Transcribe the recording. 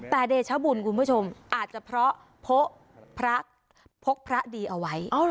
แต่เดชบุญคุณผู้ชมอาจจะเพราะพกพระพกพระดีเอาไว้